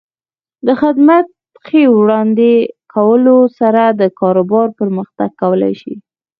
د خدمت ښې وړاندې کولو سره د کاروبار پرمختګ کولی شي.